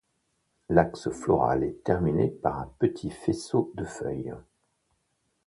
L'axe floral est terminé par un petit faisceau de feuilles.